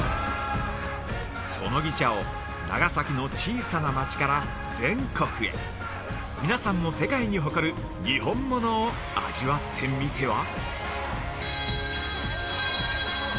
◆「そのぎ茶」を、長崎の小さなまちから全国へ皆さんも世界に誇る「にほんもの」を味わってみては？